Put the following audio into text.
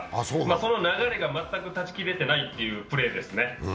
その流れが全く断ち切れていないというプレーですね。